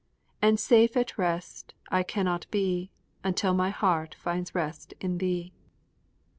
And safe at rest I cannot be Until my heart finds rest in Thee.